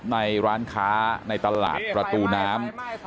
ในร้านค้าในตลาดประตูน้ำ